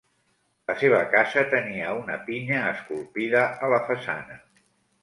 La seva casa tenia una pinya esculpida a la façana.